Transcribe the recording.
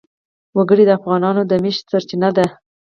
وګړي د افغانانو د معیشت سرچینه ده.